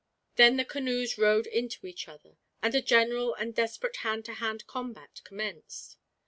Then the canoes rowed into each other, and a general and desperate hand to hand combat commenced.